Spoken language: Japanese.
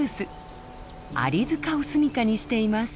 アリ塚を住みかにしています。